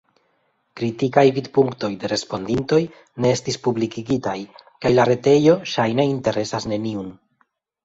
Kritikaj vidpunktoj de respondintoj ne estis publikigitaj, kaj la retejo ŝajne interesas neniun.